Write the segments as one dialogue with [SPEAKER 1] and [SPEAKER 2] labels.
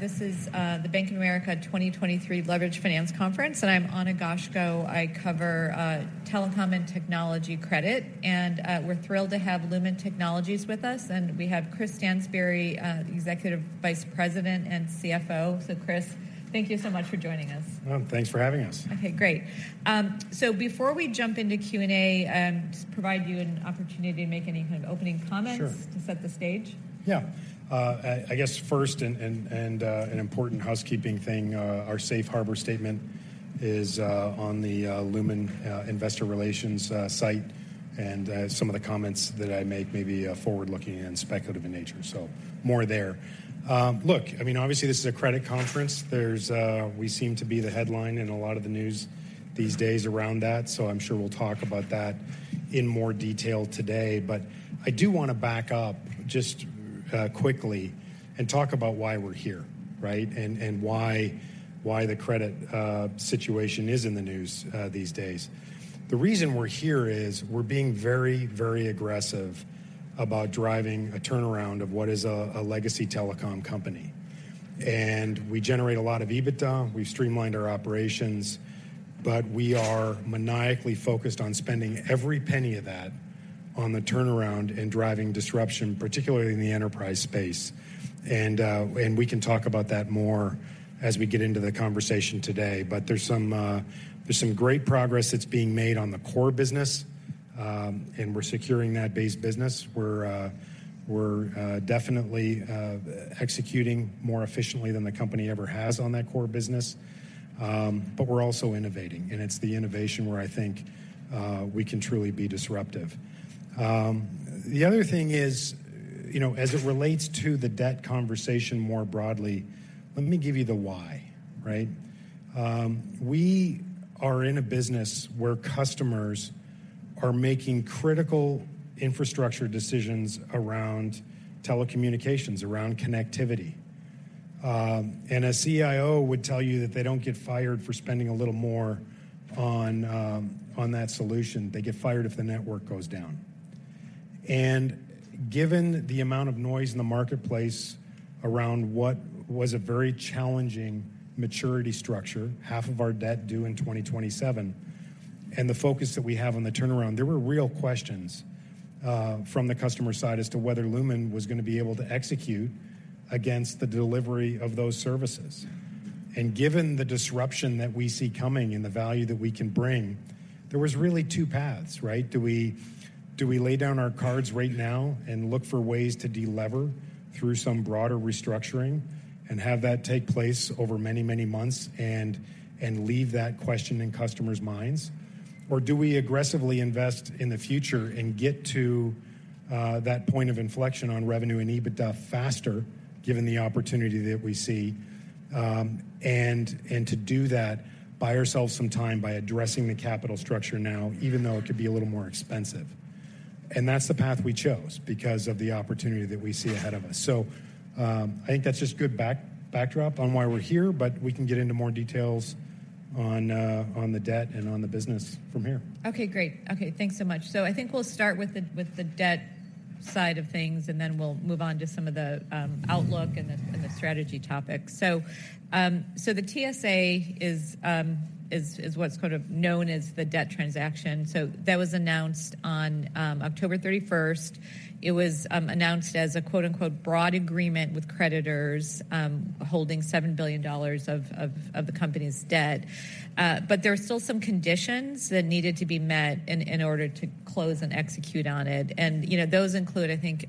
[SPEAKER 1] This is the Bank of America 2023 Leveraged Finance Conference, and I'm Ana Goshko. I cover telecom and technology credit, and we're thrilled to have Lumen Technologies with us. And we have Chris Stansbury, the Executive Vice President and CFO. So Chris, thank you so much for joining us.
[SPEAKER 2] Thanks for having us.
[SPEAKER 1] Okay, great. So before we jump into Q&A, just provide you an opportunity to make any kind of opening comments-
[SPEAKER 2] Sure.
[SPEAKER 1] To set the stage.
[SPEAKER 2] Yeah. I guess first, an important housekeeping thing, our safe harbor statement is on the Lumen investor relations site, and some of the comments that I make may be forward-looking and speculative in nature, so more there. Look, I mean, obviously, this is a credit conference. There's... We seem to be the headline in a lot of the news these days around that, so I'm sure we'll talk about that in more detail today. But I do want to back up just quickly and talk about why we're here, right? And why the credit situation is in the news these days. The reason we're here is we're being very aggressive about driving a turnaround of what is a legacy telecom company. And we generate a lot of EBITDA. We've streamlined our operations, but we are maniacally focused on spending every penny of that on the turnaround and driving disruption, particularly in the enterprise space. We can talk about that more as we get into the conversation today. There's some great progress that's being made on the core business, and we're securing that base business. We're definitely executing more efficiently than the company ever has on that core business. We're also innovating, and it's the innovation where I think we can truly be disruptive. The other thing is, you know, as it relates to the debt conversation more broadly, let me give you the why, right? We are in a business where customers are making critical infrastructure decisions around telecommunications, around connectivity. And a CIO would tell you that they don't get fired for spending a little more on that solution. They get fired if the network goes down. Given the amount of noise in the marketplace around what was a very challenging maturity structure, half of our debt due in 2027, and the focus that we have on the turnaround, there were real questions from the customer side as to whether Lumen was going to be able to execute against the delivery of those services. Given the disruption that we see coming and the value that we can bring, there was really two paths, right? Do we lay down our cards right now and look for ways to de-lever through some broader restructuring and have that take place over many, many months and leave that question in customers' minds? Or do we aggressively invest in the future and get to that point of inflection on revenue and EBITDA faster, given the opportunity that we see? And to do that, buy ourselves some time by addressing the capital structure now, even though it could be a little more expensive. And that's the path we chose because of the opportunity that we see ahead of us. So, I think that's just good backdrop on why we're here, but we can get into more details on the debt and on the business from here.
[SPEAKER 1] Okay, great. Okay, thanks so much. So I think we'll start with the debt side of things, and then we'll move on to some of the outlook and the strategy topics. So the TSA is what's kind of known as the debt transaction. So that was announced on October 31. It was announced as a quote-unquote “broad agreement with creditors,” holding $7 billion of the company's debt. But there are still some conditions that needed to be met in order to close and execute on it. And you know, those include, I think,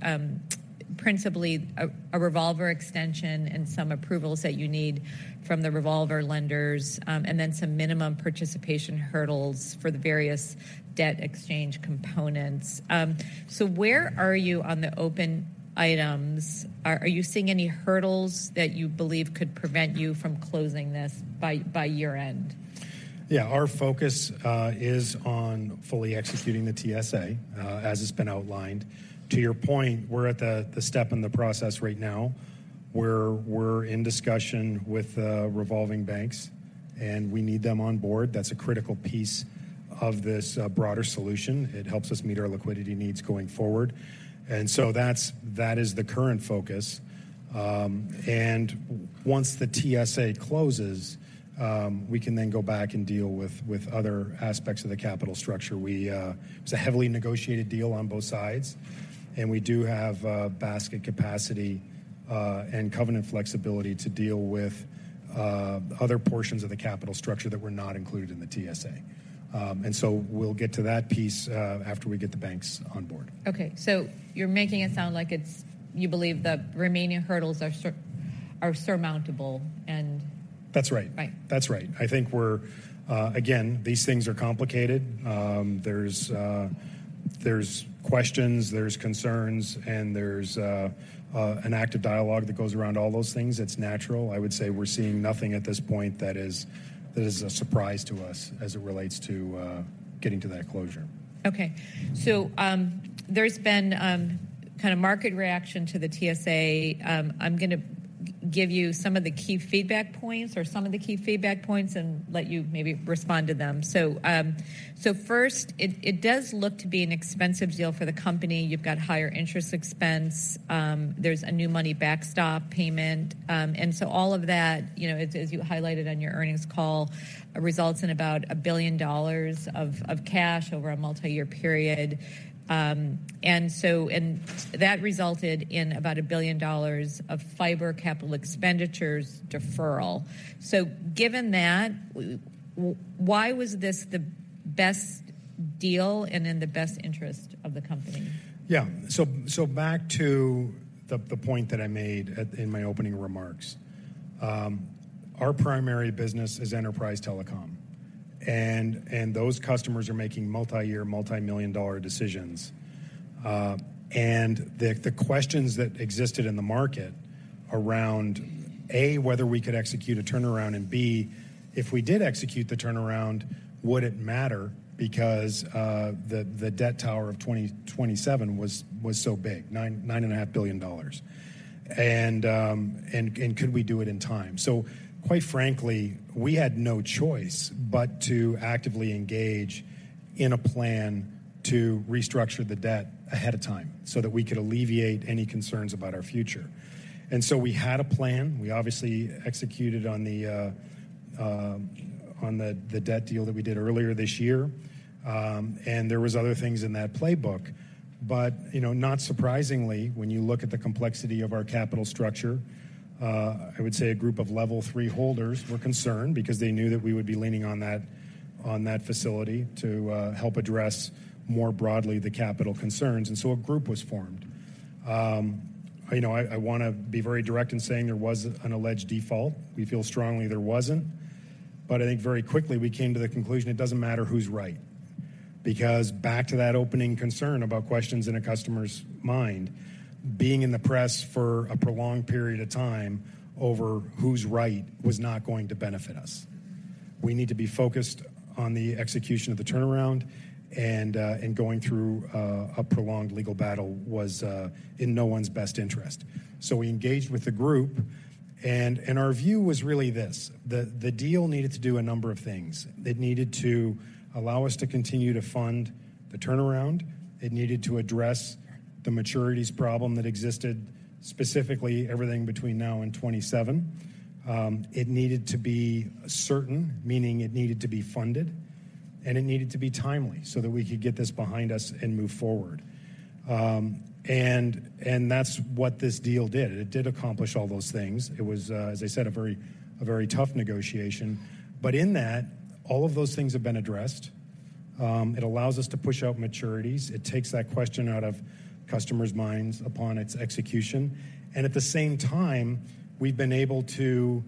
[SPEAKER 1] principally a revolver extension and some approvals that you need from the revolver lenders, and then some minimum participation hurdles for the various debt exchange components. So where are you on the open items? Are you seeing any hurdles that you believe could prevent you from closing this by year-end?
[SPEAKER 2] Yeah. Our focus is on fully executing the TSA as it's been outlined. To your point, we're at the step in the process right now, where we're in discussion with revolving banks, and we need them on board. That's a critical piece of this broader solution. It helps us meet our liquidity needs going forward. And so that's that is the current focus. And once the TSA closes, we can then go back and deal with other aspects of the capital structure. It's a heavily negotiated deal on both sides, and we do have basket capacity and covenant flexibility to deal with other portions of the capital structure that were not included in the TSA. And so we'll get to that piece after we get the banks on board.
[SPEAKER 1] Okay. So you're making it sound like it's... You believe the remaining hurdles are surmountable and-
[SPEAKER 2] That's right.
[SPEAKER 1] Right.
[SPEAKER 2] That's right. I think we're—again, these things are complicated. There's questions, there's concerns, and there's an active dialogue that goes around all those things. It's natural. I would say we're seeing nothing at this point that is a surprise to us as it relates to getting to that closure.
[SPEAKER 1] Okay. So, there's been kind of market reaction to the TSA. I'm gonna give you some of the key feedback points and let you maybe respond to them. So, so first, it does look to be an expensive deal for the company. You've got higher interest expense, there's a new money backstop payment. And so all of that, you know, as you highlighted on your earnings call, results in about $1 billion of cash over a multi-year period. And that resulted in about $1 billion of fiber capital expenditures deferral. So given that, why was this the best deal and in the best interest of the company?
[SPEAKER 2] Yeah. So back to the point that I made in my opening remarks. Our primary business is enterprise telecom, and those customers are making multi-year, multimillion-dollar decisions. The questions that existed in the market around, A, whether we could execute a turnaround, and B, if we did execute the turnaround, would it matter? Because the debt tower of 2027 was so big, $9.5 billion. Could we do it in time? So quite frankly, we had no choice but to actively engage in a plan to restructure the debt ahead of time so that we could alleviate any concerns about our future. And so we had a plan. We obviously executed on the debt deal that we did earlier this year. And there was other things in that playbook. But, you know, not surprisingly, when you look at the complexity of our capital structure, I would say a group of Level 3 holders were concerned because they knew that we would be leaning on that, on that facility to help address more broadly the capital concerns. And so a group was formed. You know, I want to be very direct in saying there was an alleged default. We feel strongly there wasn't, but I think very quickly we came to the conclusion it doesn't matter who's right, because back to that opening concern about questions in a customer's mind, being in the press for a prolonged period of time over who's right was not going to benefit us. We need to be focused on the execution of the turnaround, and going through a prolonged legal battle was in no one's best interest. So we engaged with the group, and our view was really this: the deal needed to do a number of things. It needed to allow us to continue to fund the turnaround. It needed to address the maturities problem that existed, specifically everything between now and 2027. It needed to be certain, meaning it needed to be funded, and it needed to be timely so that we could get this behind us and move forward. And that's what this deal did. It did accomplish all those things. It was, as I said, a very tough negotiation, but in that, all of those things have been addressed. It allows us to push out maturities. It takes that question out of customers' minds upon its execution, and at the same time, we've been able to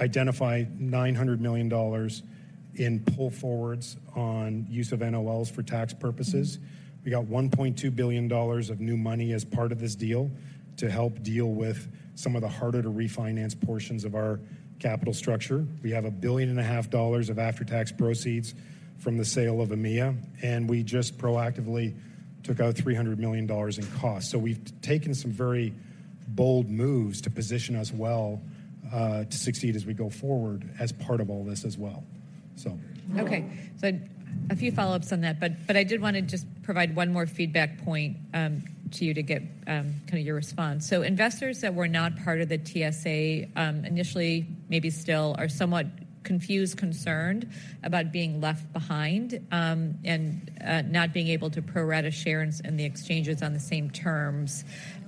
[SPEAKER 2] identify $900 million in pull forwards on use of NOLs for tax purposes. We got $1.2 billion of new money as part of this deal to help deal with some of the harder-to-refinance portions of our capital structure. We have $1.5 billion of after-tax proceeds from the sale of EMEA, and we just proactively took out $300 million in costs. So we've taken some very bold moves to position us well to succeed as we go forward as part of all this as well. So-
[SPEAKER 1] Okay. So a few follow-ups on that, but, but I did want to just provide one more feedback point to you to get kind of your response. So investors that were not part of the TSA initially, maybe still are somewhat confused, concerned about being left behind, and not being able to pro rata shares in the exchanges on the same terms.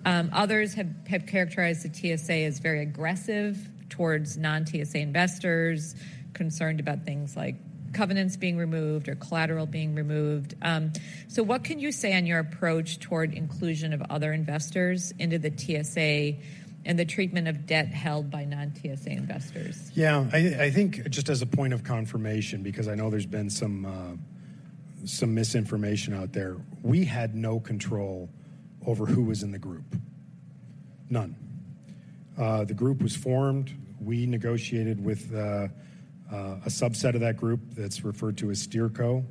[SPEAKER 1] Others have characterized the TSA as very aggressive towards non-TSA investors, concerned about things like covenants being removed or collateral being removed. So what can you say on your approach toward inclusion of other investors into the TSA and the treatment of debt held by non-TSA investors?
[SPEAKER 2] Yeah, I think just as a point of confirmation, because I know there's been some misinformation out there. We had no control over who was in the group. None. The group was formed. We negotiated with a subset of that group that's referred to as SteerCo,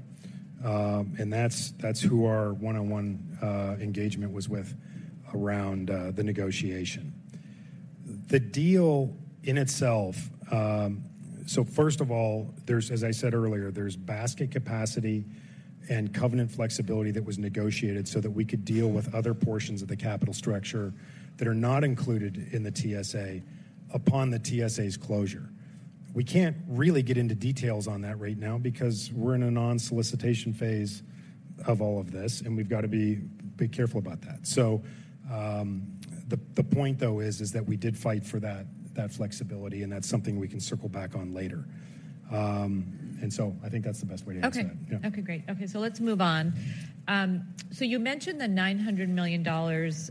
[SPEAKER 2] and that's who our one-on-one engagement was with around the negotiation. The deal in itself. So first of all, there's, as I said earlier, basket capacity and covenant flexibility that was negotiated so that we could deal with other portions of the capital structure that are not included in the TSA upon the TSA's closure. We can't really get into details on that right now because we're in a non-solicitation phase of all of this, and we've got to be careful about that. So, the point, though, is that we did fight for that flexibility, and that's something we can circle back on later. And so I think that's the best way to answer that.
[SPEAKER 1] Okay.
[SPEAKER 2] Yeah.
[SPEAKER 1] Okay, great. Okay, so let's move on. So you mentioned the $900 million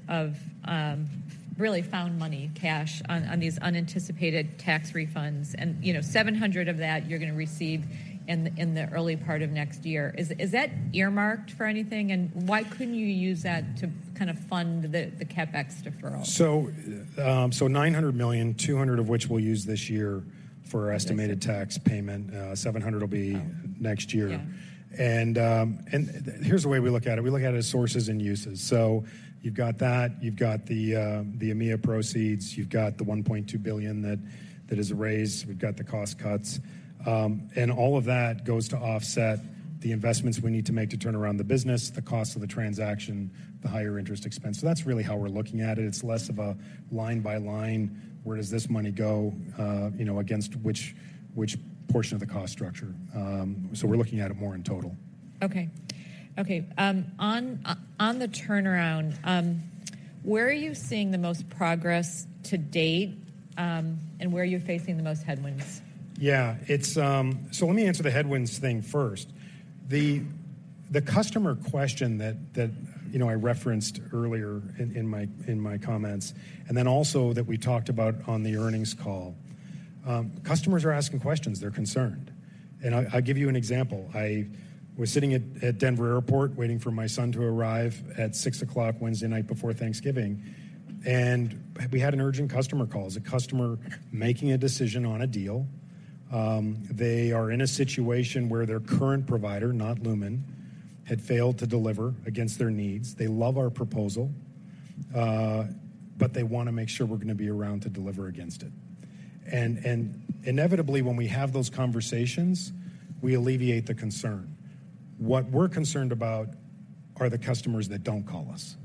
[SPEAKER 1] of really found money, cash on these unanticipated tax refunds. And, you know, $700 million of that you're going to receive in the early part of next year. Is that earmarked for anything, and why couldn't you use that to kind of fund the CapEx deferral?
[SPEAKER 2] So, $900 million, $200 of which we'll use this year for our estimated tax payment.
[SPEAKER 1] Yes.
[SPEAKER 2] 700 will be-
[SPEAKER 1] Oh.
[SPEAKER 2] -next year.
[SPEAKER 1] Yeah.
[SPEAKER 2] ...And, and here's the way we look at it. We look at it as sources and uses. So you've got that, you've got the, the EMEA proceeds, you've got the $1.2 billion that is raised, we've got the cost cuts. And all of that goes to offset the investments we need to make to turn around the business, the cost of the transaction, the higher interest expense. So that's really how we're looking at it. It's less of a line by line, where does this money go, you know, against which portion of the cost structure? So we're looking at it more in total.
[SPEAKER 1] Okay, on the turnaround, where are you seeing the most progress to date, and where are you facing the most headwinds?
[SPEAKER 2] Yeah, it's. So let me answer the headwinds thing first. The customer question that you know I referenced earlier in my comments, and then also that we talked about on the earnings call. Customers are asking questions. They're concerned, and I'll give you an example. I was sitting at Denver Airport waiting for my son to arrive at 6:00 P.M. Wednesday night before Thanksgiving, and we had an urgent customer call. It was a customer making a decision on a deal. They are in a situation where their current provider, not Lumen, had failed to deliver against their needs. They love our proposal, but they want to make sure we're going to be around to deliver against it. And inevitably, when we have those conversations, we alleviate the concern. What we're concerned about are the customers that don't call us.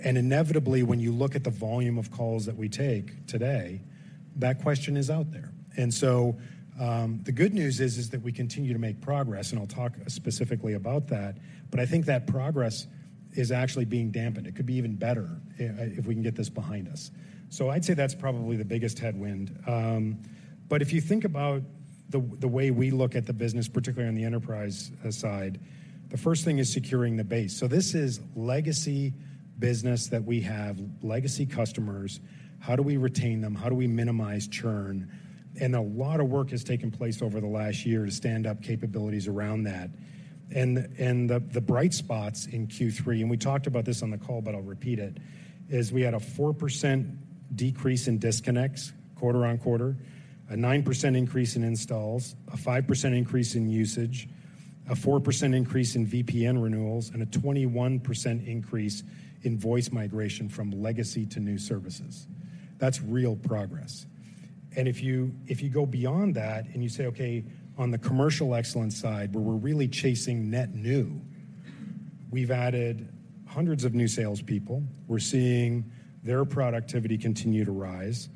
[SPEAKER 2] And inevitably, when you look at the volume of calls that we take today, that question is out there. And so, the good news is that we continue to make progress, and I'll talk specifically about that, but I think that progress is actually being dampened. It could be even better if we can get this behind us. So I'd say that's probably the biggest headwind. But if you think about the way we look at the business, particularly on the enterprise side, the first thing is securing the base. So this is legacy business that we have, legacy customers. How do we retain them? How do we minimize churn? And a lot of work has taken place over the last year to stand up capabilities around that. The bright spots in Q3, and we talked about this on the call, but I'll repeat it, is we had a 4% decrease in disconnects quarter-over-quarter, a 9% increase in installs, a 5% increase in usage, a 4% increase in VPN renewals, and a 21% increase in voice migration from legacy to new services. That's real progress. And if you go beyond that and you say, okay, on the commercial excellence side, where we're really chasing net new, we've added hundreds of new salespeople. We're seeing their productivity continue to rise.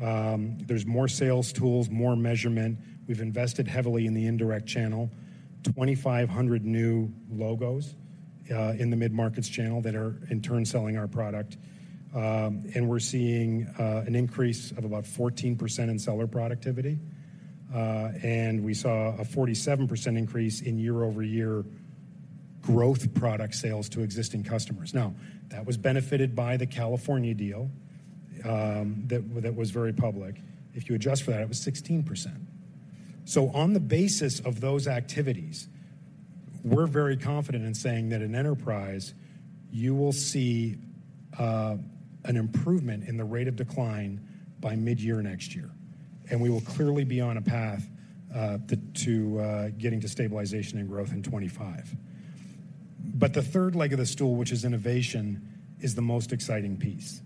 [SPEAKER 2] There's more sales tools, more measurement. We've invested heavily in the indirect channel, 2,500 new logos in the mid-markets channel that are in turn selling our product. And we're seeing an increase of about 14% in seller productivity, and we saw a 47% increase in year-over-year growth product sales to existing customers. Now, that was benefited by the California deal, that was very public. If you adjust for that, it was 16%. So on the basis of those activities, we're very confident in saying that in enterprise, you will see an improvement in the rate of decline by mid-year next year, and we will clearly be on a path to getting to stabilization and growth in 25. But the third leg of the stool, which is innovation, is the most exciting piece,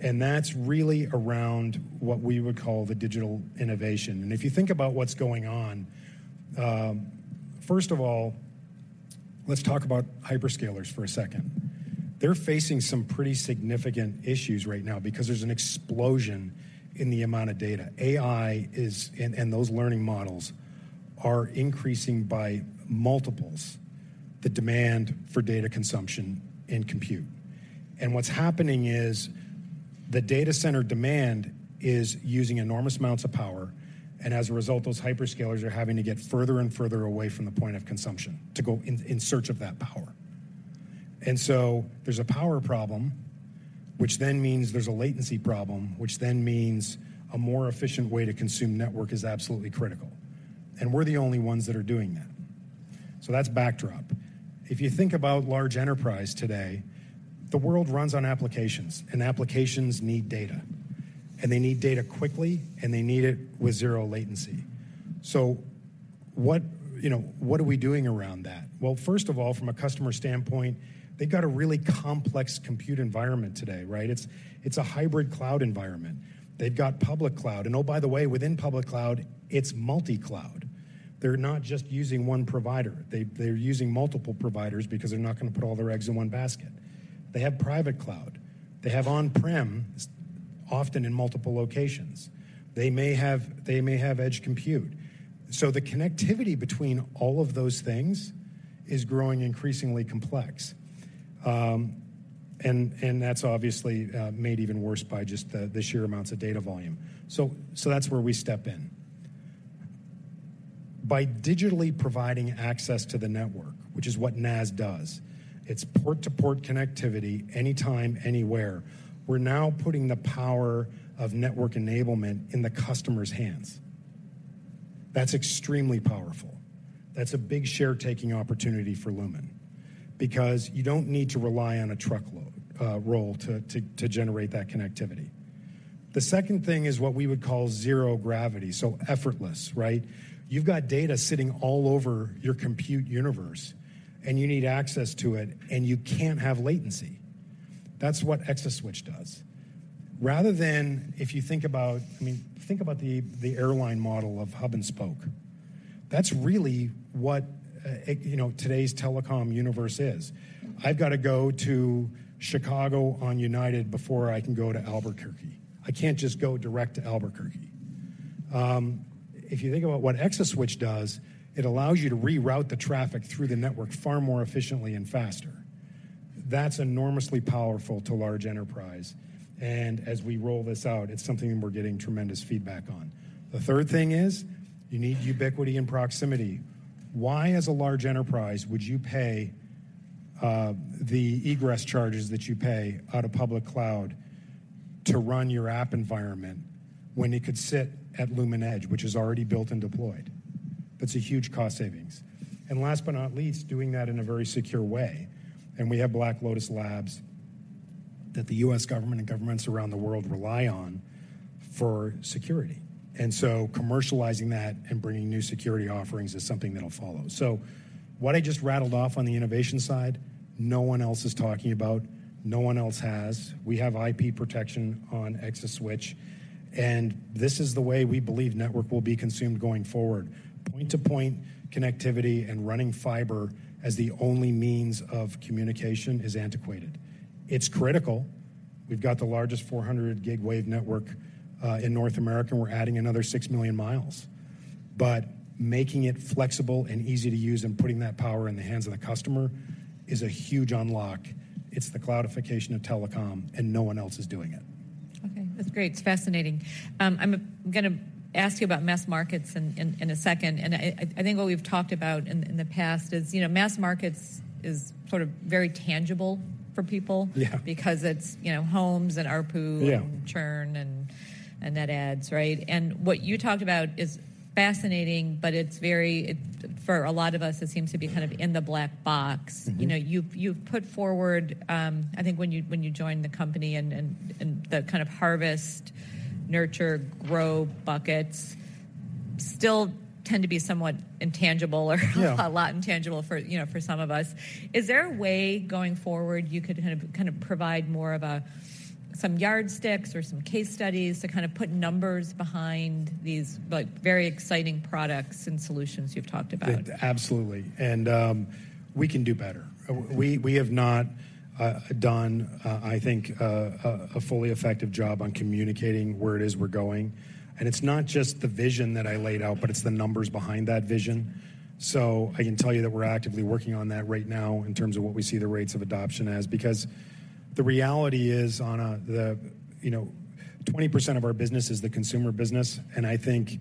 [SPEAKER 2] and that's really around what we would call the digital innovation. And if you think about what's going on, first of all, let's talk about hyperscalers for a second. They're facing some pretty significant issues right now because there's an explosion in the amount of data. AI is, and those learning models are increasing by multiples the demand for data consumption and compute. What's happening is the data center demand is using enormous amounts of power, and as a result, those hyperscalers are having to get further and further away from the point of consumption to go in search of that power. So there's a power problem, which then means there's a latency problem, which then means a more efficient way to consume network is absolutely critical, and we're the only ones that are doing that. So that's backdrop. If you think about large enterprise today, the world runs on applications, and applications need data, and they need data quickly, and they need it with zero latency. So what, you know, what are we doing around that? Well, first of all, from a customer standpoint, they've got a really complex compute environment today, right? It's a hybrid cloud environment. They've got public cloud, and oh, by the way, within public cloud, it's multi-cloud. They're not just using one provider. They're using multiple providers because they're not going to put all their eggs in one basket. They have private cloud. They have on-prem, often in multiple locations. They may have edge compute. So the connectivity between all of those things is growing increasingly complex, and that's obviously made even worse by just the sheer amounts of data volume. So that's where we step in. By digitally providing access to the network, which is what NaaS does, it's port-to-port connectivity, anytime, anywhere. We're now putting the power of network enablement in the customer's hands. That's extremely powerful. That's a big sharetaking opportunity for Lumen, because you don't need to rely on a truck roll to generate that connectivity. The second thing is what we would call zero gravity, so effortless, right? You've got data sitting all over your compute universe, and you need access to it, and you can't have latency. That's what ExaSwitch does. Rather than if you think about—I mean, think about the airline model of hub and spoke. That's really what it you know, today's telecom universe is. I've got to go to Chicago on United before I can go to Albuquerque. If you think about what ExaSwitch does, it allows you to reroute the traffic through the network far more efficiently and faster. That's enormously powerful to large enterprise, and as we roll this out, it's something we're getting tremendous feedback on. The third thing is, you need ubiquity and proximity. Why, as a large enterprise, would you pay the egress charges that you pay out of public cloud to run your app environment when it could sit at Lumen Edge, which is already built and deployed? That's a huge cost savings. And last but not least, doing that in a very secure way. And we have Black Lotus Labs that the U.S. government and governments around the world rely on for security. And so commercializing that and bringing new security offerings is something that'll follow. So what I just rattled off on the innovation side, no one else is talking about, no one else has. We have IP protection on ExaSwitch, and this is the way we believe network will be consumed going forward. Point-to-point connectivity and running fiber as the only means of communication is antiquated. It's critical. We've got the largest 400 gig wave network in North America, and we're adding another 6 million miles. But making it flexible and easy to use and putting that power in the hands of the customer is a huge unlock. It's the cloudification of telecom, and no one else is doing it.
[SPEAKER 1] Okay, that's great. It's fascinating. I'm going to ask you about mass markets in a second, and I think what we've talked about in the past is, you know, mass markets is sort of very tangible for people-
[SPEAKER 2] Yeah.
[SPEAKER 1] -because it's, you know, homes and ARPU-
[SPEAKER 2] Yeah.
[SPEAKER 1] and churn and net adds, right? And what you talked about is fascinating, but it's very... It, for a lot of us, it seems to be kind of in the black box.
[SPEAKER 2] Mm-hmm.
[SPEAKER 1] You know, you've put forward, I think when you joined the company and the kind of harvest, nurture, grow buckets still tend to be somewhat intangible or-
[SPEAKER 2] Yeah...
[SPEAKER 1] a lot intangible for, you know, for some of us. Is there a way, going forward, you could kind of, kind of provide more of a, some yardsticks or some case studies to kind of put numbers behind these, like, very exciting products and solutions you've talked about?
[SPEAKER 2] Good. Absolutely, and we can do better. We have not done, I think, a fully effective job on communicating where it is we're going. And it's not just the vision that I laid out, but it's the numbers behind that vision. So I can tell you that we're actively working on that right now in terms of what we see the rates of adoption as, because the reality is on the... You know, 20% of our business is the consumer business, and I think,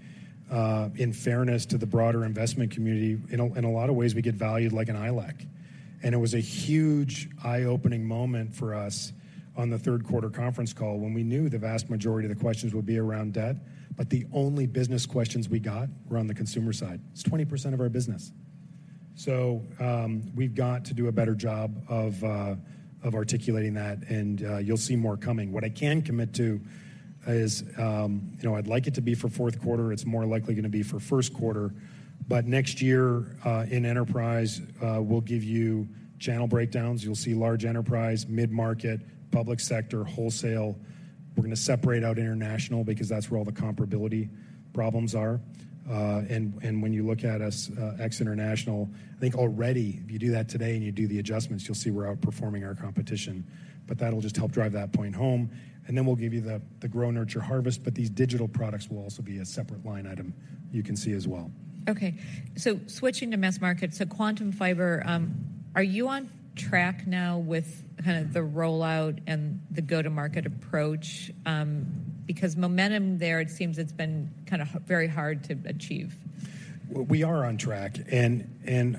[SPEAKER 2] in fairness to the broader investment community, in a lot of ways, we get valued like an ILEC. It was a huge eye-opening moment for us on the third quarter conference call when we knew the vast majority of the questions would be around debt, but the only business questions we got were on the consumer side. It's 20% of our business. We've got to do a better job of articulating that, and you'll see more coming. What I can commit to is, you know, I'd like it to be for fourth quarter. It's more likely going to be for first quarter, but next year, in enterprise, we'll give you channel breakdowns. You'll see large enterprise, mid-market, public sector, wholesale. We're going to separate out international because that's where all the comparability problems are. And when you look at us ex international, I think already, if you do that today and you do the adjustments, you'll see we're outperforming our competition. But that'll just help drive that point home, and then we'll give you the grow, nurture, harvest, but these digital products will also be a separate line item you can see as well.
[SPEAKER 1] Okay, so switching to mass market, so Quantum Fiber, are you on track now with kind of the rollout and the go-to-market approach? Because momentum there, it seems it's been kind of very hard to achieve.
[SPEAKER 2] We are on track, and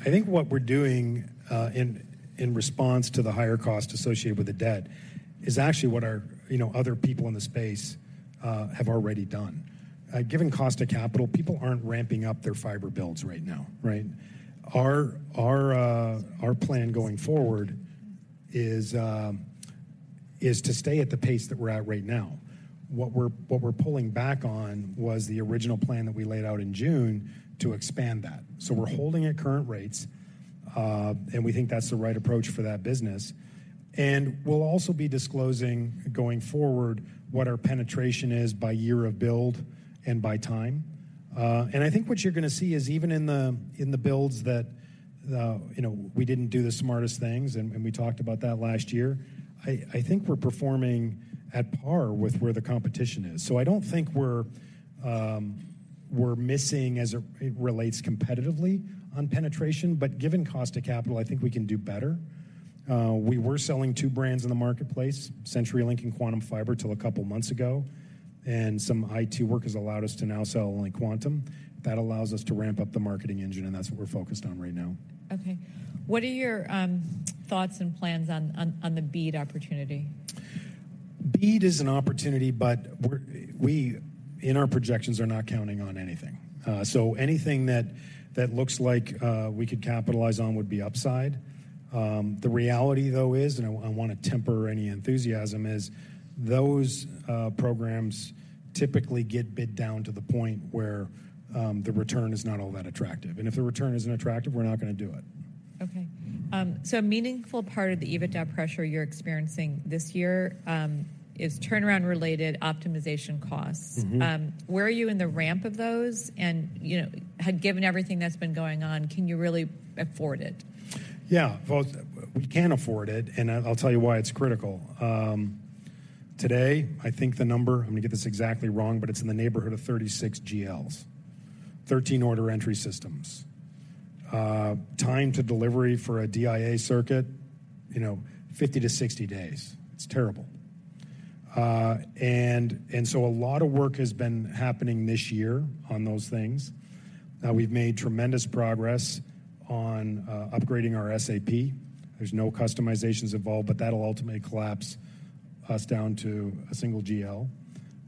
[SPEAKER 2] I think what we're doing in response to the higher cost associated with the debt is actually what our, you know, other people in the space have already done. Given cost of capital, people aren't ramping up their fiber builds right now, right? Our plan going forward is to stay at the pace that we're at right now. What we're pulling back on was the original plan that we laid out in June to expand that.
[SPEAKER 1] Right.
[SPEAKER 2] So we're holding at current rates, and we think that's the right approach for that business. We'll also be disclosing, going forward, what our penetration is by year of build and by time. I think what you're going to see is even in the builds that you know, we didn't do the smartest things, and we talked about that last year. I think we're performing at par with where the competition is. So I don't think we're missing as it relates competitively on penetration, but given cost of capital, I think we can do better. We were selling two brands in the marketplace, CenturyLink and Quantum Fiber, till a couple months ago, and some IT work has allowed us to now sell only Quantum. That allows us to ramp up the marketing engine, and that's what we're focused on right now.
[SPEAKER 1] Okay. What are your thoughts and plans on the BEAD opportunity?
[SPEAKER 2] BEAD is an opportunity, but we're in our projections are not counting on anything. So anything that looks like we could capitalize on would be upside. The reality, though, is and I want to temper any enthusiasm, is those programs typically get bid down to the point where the return is not all that attractive, and if the return isn't attractive, we're not going to do it.
[SPEAKER 1] Okay. So a meaningful part of the EBITDA pressure you're experiencing this year is turnaround-related optimization costs.
[SPEAKER 2] Mm-hmm.
[SPEAKER 1] Where are you in the ramp of those? And, you know, given everything that's been going on, can you really afford it?
[SPEAKER 2] Yeah. Well, we can afford it, and I'll tell you why it's critical. Today, I think the number, I'm going to get this exactly wrong, but it's in the neighborhood of 36 GLs, 13 order entry systems. Time to delivery for a DIA circuit, you know, 50-60 days. It's terrible. And so a lot of work has been happening this year on those things. Now we've made tremendous progress on upgrading our SAP. There's no customizations involved, but that'll ultimately collapse us down to a single GL,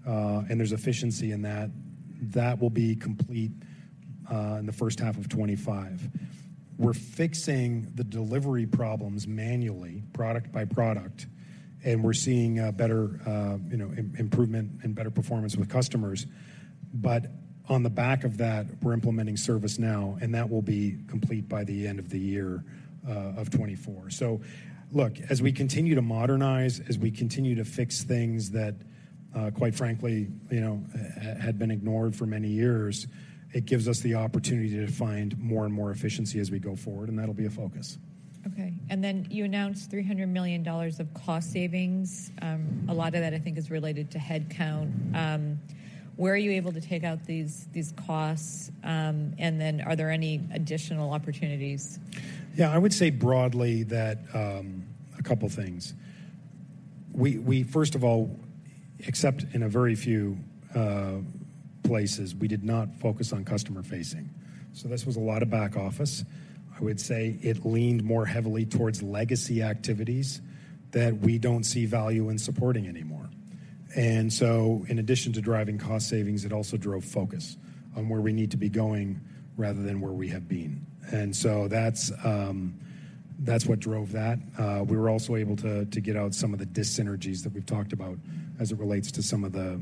[SPEAKER 2] and there's efficiency in that. That will be complete in the first half of 2025. We're fixing the delivery problems manually, product by product, and we're seeing better, you know, improvement and better performance with customers. But on the back of that, we're implementing ServiceNow, and that will be complete by the end of the year of 2024. So look, as we continue to modernize, as we continue to fix things that, quite frankly, you know, had been ignored for many years, it gives us the opportunity to find more and more efficiency as we go forward, and that'll be a focus.
[SPEAKER 1] Okay. And then you announced $300 million of cost savings. A lot of that, I think, is related to headcount. Where are you able to take out these costs? And then are there any additional opportunities?
[SPEAKER 2] Yeah, I would say broadly that, a couple things. We first of all, except in a very few places, we did not focus on customer facing. So this was a lot of back office. I would say it leaned more heavily towards legacy activities that we don't see value in supporting anymore. And so, in addition to driving cost savings, it also drove focus on where we need to be going rather than where we have been. And so that's, that's what drove that. We were also able to get out some of the dyssynergies that we've talked about as it relates to some of the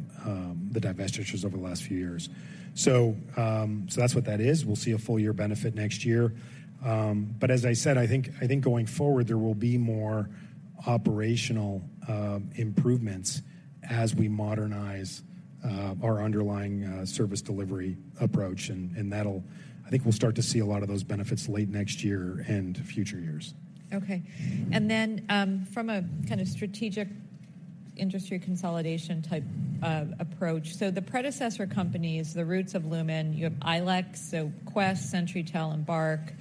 [SPEAKER 2] divestitures over the last few years. So that's what that is. We'll see a full year benefit next year. But as I said, I think going forward, there will be more operational improvements as we modernize our underlying service delivery approach. And that'll, I think we'll start to see a lot of those benefits late next year and future years.
[SPEAKER 1] Okay. From a kind of strategic industry consolidation type of approach, so the predecessor companies, the roots of Lumen, you have ILEC, so Qwest, CenturyLink, and Embarq.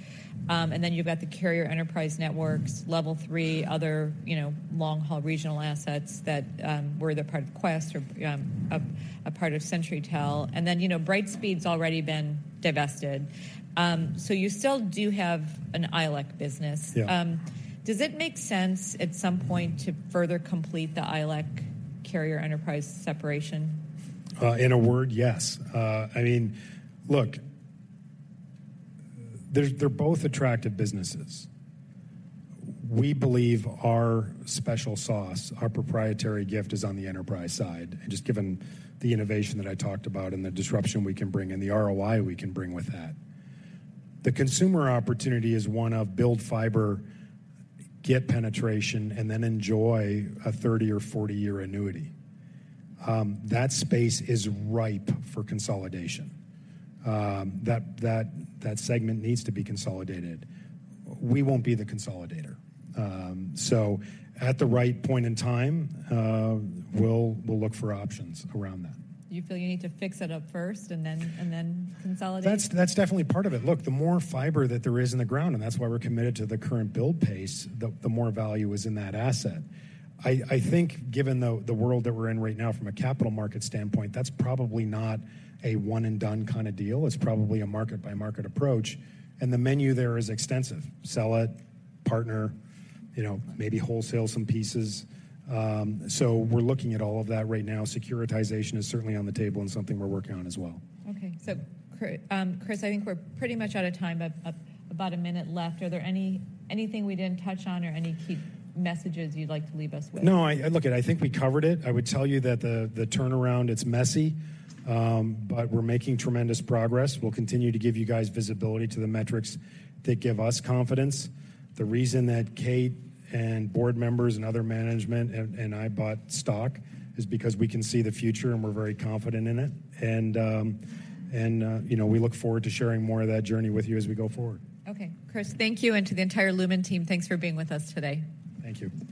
[SPEAKER 1] Then you've got the carrier enterprise networks, Level 3, other, you know, long-haul regional assets that were either part of Qwest or a part of CenturyLink. Then, you know, Brightspeed's already been divested. So you still do have an ILEC business.
[SPEAKER 2] Yeah.
[SPEAKER 1] Does it make sense at some point to further complete the ILEC carrier enterprise separation?
[SPEAKER 2] In a word, yes. I mean, look, they're, they're both attractive businesses. We believe our special sauce, our proprietary gift, is on the enterprise side, and just given the innovation that I talked about and the disruption we can bring and the ROI we can bring with that. The consumer opportunity is one of build fiber, get penetration, and then enjoy a 30- or 40-year annuity. That space is ripe for consolidation. That segment needs to be consolidated. We won't be the consolidator. So at the right point in time, we'll look for options around that.
[SPEAKER 1] You feel you need to fix it up first and then consolidate?
[SPEAKER 2] That's definitely part of it. Look, the more fiber that there is in the ground, and that's why we're committed to the current build pace, the more value is in that asset. I think given the world that we're in right now from a capital market standpoint, that's probably not a one-and-done kind of deal. It's probably a market-by-market approach, and the menu there is extensive: sell it, partner, you know, maybe wholesale some pieces. So we're looking at all of that right now. Securitization is certainly on the table and something we're working on as well.
[SPEAKER 1] Okay. So Chris, I think we're pretty much out of time, but about a minute left. Are there anything we didn't touch on or any key messages you'd like to leave us with?
[SPEAKER 2] No, look, I think we covered it. I would tell you that the turnaround, it's messy, but we're making tremendous progress. We'll continue to give you guys visibility to the metrics that give us confidence. The reason that Kate and board members and other management and I bought stock is because we can see the future, and we're very confident in it. And, you know, we look forward to sharing more of that journey with you as we go forward.
[SPEAKER 1] Okay. Chris, thank you, and to the entire Lumen team, thanks for being with us today.
[SPEAKER 2] Thank you.